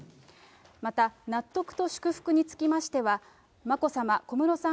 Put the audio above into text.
また納得と祝福につきましては、眞子さま、小室さん